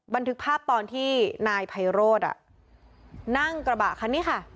บันทึกภาพตอนที่นายไพโรธนั่งกระบะคันนี้ค่ะ